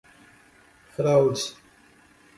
fraude